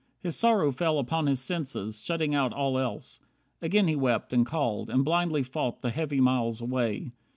His sorrow fell Upon his senses, shutting out all else. Again he wept, and called, and blindly fought The heavy miles away.